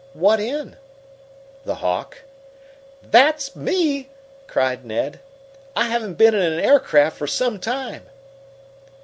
"What in?" "The Hawk." "That's me!" cried Ned. "I haven't been in an aircraft for some time."